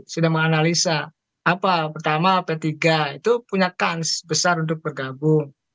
sudah menganalisa apa pertama p tiga itu punya kans besar untuk bergabung